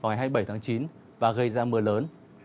vào ngày hai mươi bảy tháng chín và gây ra mưa lớn